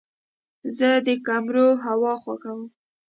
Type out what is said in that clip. زه د کمرو هوا خوښوم.